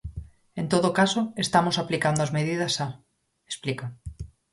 "En todo caso, estamos aplicando as medidas xa", explica.